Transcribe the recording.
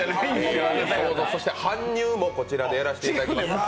そして搬入もこちらでさせていただきます。